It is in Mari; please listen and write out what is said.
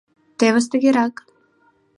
Тевыс тыгерак.